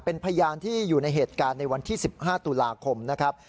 เป็นพยานที่อยู่ในเหตุการณ์ในวันที่๑๕ตุลาคมนะครับ